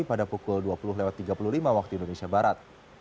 pada pukul dua puluh tiga puluh lima waktu indonesia barat